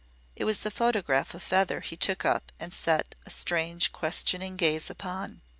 It was the photograph of Feather he took up and set a strange questioning gaze upon.